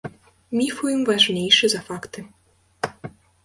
Міф у ім важнейшы за факты.